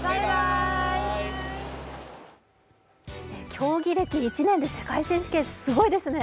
競技歴１年で世界選手権、すごいですね